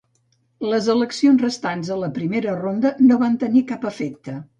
Les eleccions restants a la primera ronda no van tenir cap efecte.